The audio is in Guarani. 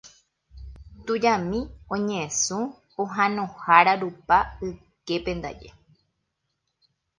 Tujami oñesũ pohãnohára rupa yképe ndaje.